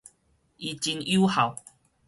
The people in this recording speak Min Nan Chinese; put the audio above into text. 伊真有孝